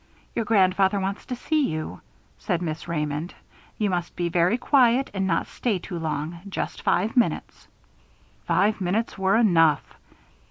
"Your grandfather wants to see you," said Miss Raymond. "You must be very quiet and not stay too long just five minutes." Five minutes were enough!